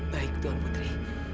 baik tuan putri